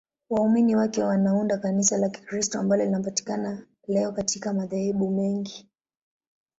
Waumini wake wanaunda Kanisa la Kikristo ambalo linapatikana leo katika madhehebu mengi.